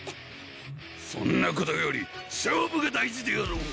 そんなことより勝負が大事であろう！